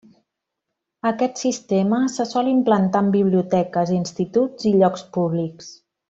Aquest sistema se sol implantar en biblioteques, instituts i llocs públics.